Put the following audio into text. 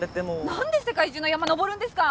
何で世界中の山登るんですか？